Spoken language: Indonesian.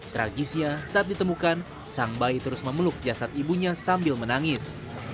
tragisnya saat ditemukan sang bayi terus memeluk jasad ibunya sambil menangis